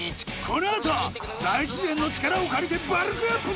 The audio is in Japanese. この後大自然の力を借りてバルクアップだ！